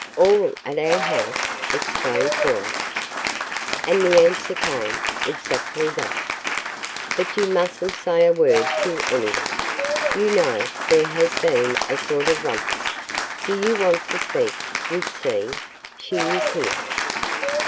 "All at our house?" exclaimed Cora. And the answer came: "Exactly that. But you mustn't say a word to any one. You know, there has been a sort of rumpus. Do you want to speak with C.? She is here."